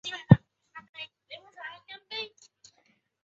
有时会加入醋或柠檬汁调味。